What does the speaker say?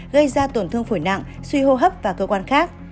gây ra tổn thương phổi nặng suy hô hấp và cơ quan khác